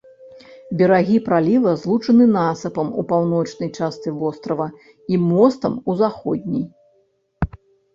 Берагі праліва злучаны насыпам у паўночнай частцы вострава і мостам у заходняй.